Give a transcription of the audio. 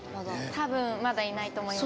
多分まだいないと思います。